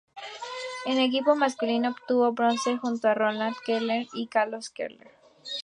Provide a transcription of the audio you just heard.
En equipo masculino obtuvo bronce junto a Roland Keller y Carlos Keller.